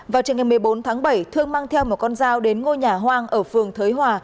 vào trường ngày một mươi bốn tháng bảy thương mang theo một con dao đến ngôi nhà hoang ở phường thới hòa